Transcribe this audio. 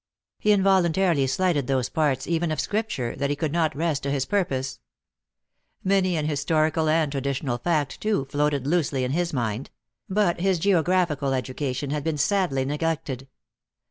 He involuntarily slighted those parts even of Scripture that he could not wrest to his pur pose. Many an historical and traditionary fact, too, floated loosely on his mind ; but his geographical edu ^cation had been sadly neglected.